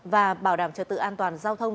và bảo đảm trật tự an toàn giao thông